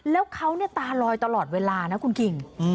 แล้วเขาตาลอยตลอดเวลานะคุณคิง